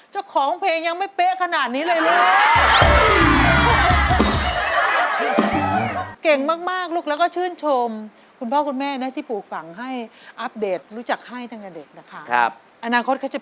เจ้าของเพลงยังไม่เป๊ะขนาดนี้เลยลูก